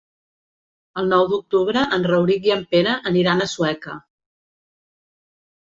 El nou d'octubre en Rauric i en Pere aniran a Sueca.